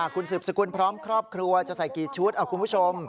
คุณสืบสกุลพร้อมครอบครัวจะใส่กี่ชุดคุณผู้ชม